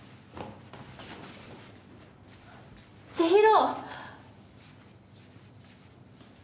千尋。